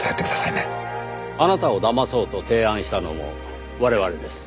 あなたをだまそうと提案したのも我々です。